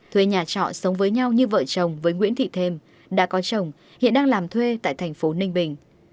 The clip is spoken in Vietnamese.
thuê nhà trọ sống với nhau như vợ chồng với nguyễn thị thêm đã có chồng hiện đang làm thuê tại thành phố ninh bình